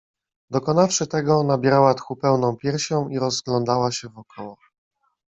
Dokonawszy tego, nabierała tchu pełną piersią i rozglądała się wokoło.